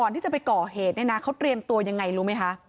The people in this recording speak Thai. ที่จะไปก่อเหตุเนี่ยนะเขาเตรียมตัวยังไงรู้ไหมคะ